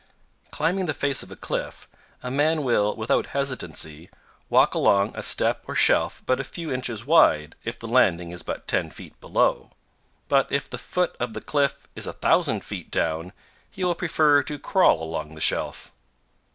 Climbing the face of a cliff, a man will without hesitancy walk along a step or shelf but a few inches wide if the landing is but ten feet below, but if the foot of the cliff is a thousand feet down he will prefer to crawl along the shelf.